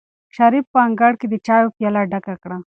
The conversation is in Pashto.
شریف په انګړ کې د چایو پیاله ډکه کړه.